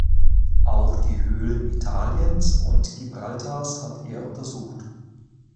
Auch die Höhlen Italiens und Gibraltars hat er untersucht.